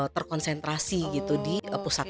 terkonsentrasi gitu di pusat